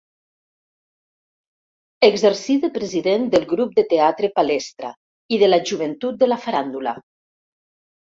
Exercí de president del grup de teatre Palestra i de la Joventut de la Faràndula.